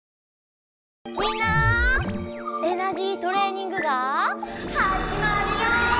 みんなエナジートレーニングがはじまるよ！